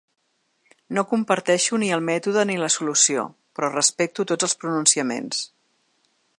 No comparteixo ni el mètode ni la solució, però respecto tots els pronunciaments.